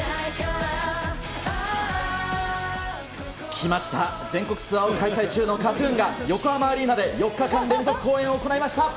きました、全国ツアーを開催中のＫＡＴーＴＵＮが、横浜アリーナで４日間連続公演を行いました。